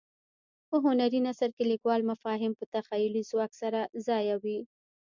په هنري نثر کې لیکوال مفاهیم په تخیلي ځواک سره ځایوي.